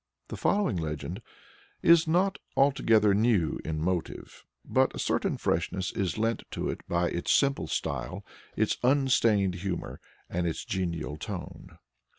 The following legend is not altogether new in "motive," but a certain freshness is lent to it by its simple style, its unstrained humor, and its genial tone.